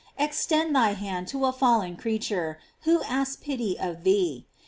Ex tend thy hand to a fallen creature, who asks pity of thee.